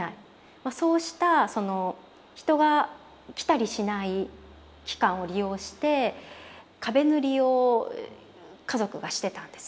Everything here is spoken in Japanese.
そうしたその人が来たりしない期間を利用して壁塗りを家族がしてたんです。